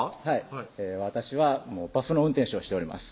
はい私はバスの運転手をしております